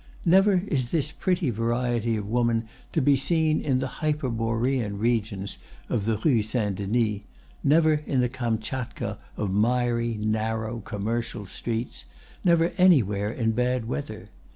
Never is this pretty variety of woman to be seen in the hyperborean regions of the Rue Saint Denis, never in the Kamtschatka of miry, narrow, commercial streets, never anywhere in bad weather.